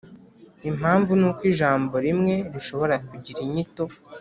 Impamvu ni uko ijambo rimwe rishobora kugira inyito